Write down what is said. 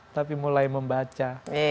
tapi mulai membaca